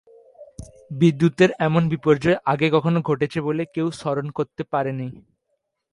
বিদ্যুতের এমন বিপর্যয় আগে কখনো ঘটেছে বলে কেউ স্মরণ করতে পারেননি।